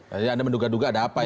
jadi anda menduga duga ada apa ini